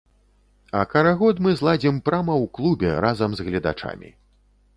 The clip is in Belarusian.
А карагод мы зладзім прама ў клубе разам з гледачамі.